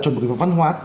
chủng bộ văn hóa